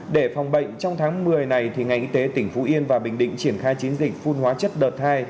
để phòng bệnh trong tháng một mươi này ngành y tế tỉnh phú yên và bình định triển khai chiến dịch phun hóa chất đợt hai